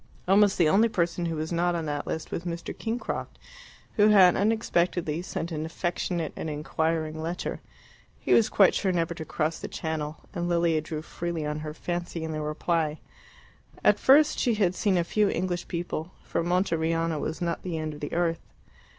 Almost the only person who was not on that list was Mr. Kingcroft, who had unexpectedly sent an affectionate and inquiring letter. He was quite sure never to cross the Channel, and Lilia drew freely on her fancy in the reply. At first she had seen a few English people, for Monteriano was not the end of the earth.